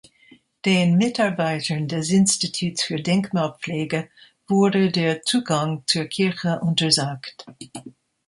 Den Mitarbeitern des Instituts für Denkmalpflege wurde der Zugang zur Kirche untersagt.